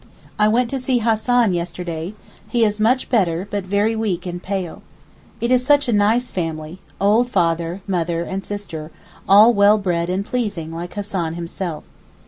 I went to see Hassan yesterday, he is much better, but very weak and pale. It is such a nice family—old father, mother, and sister, all well bred and pleasing like Hassan himself.